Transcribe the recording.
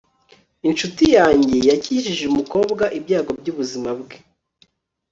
inshuti yanjye yakijije umukobwa ibyago byubuzima bwe